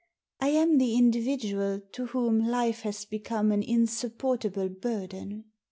I am the individual to whom life has become an insupportable burden."